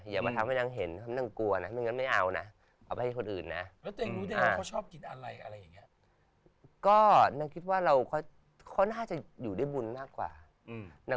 อย่ามาทำให้นางเห็นทำให้นางกลัวนะไม่อย่างนั้นไม่เอานะ